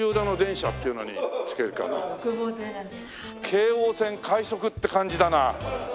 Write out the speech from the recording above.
京王線快速って感じだな。